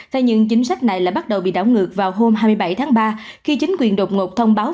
thế nhưng chính sách này lại bắt đầu bị đảo ngược vào hôm hai mươi bảy tháng ba khi chính quyền đột ngột thông báo